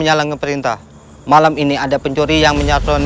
aku tidak percaya